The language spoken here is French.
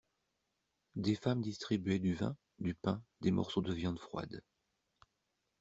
Des femmes distribuaient du vin, du pain, des morceaux de viande froide.